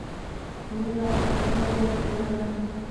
خو مينه په خپل ځای کې ولاړه پاتې وه.